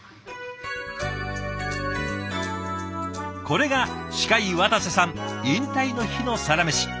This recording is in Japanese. これが歯科医渡瀬さん引退の日のサラメシ。